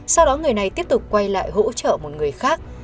sau đó người này tiếp tục quay lại hỗ trợ một người khác